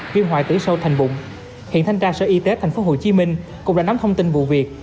viêm hoại tử sau thành bụng hiện thanh tra sở y tế tp hcm cũng đã nắm thông tin vụ việc